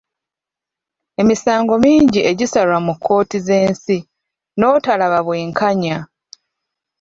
Emisango mingi egisalwa mu kkooti z'ensi n'otalaba bwenkanya.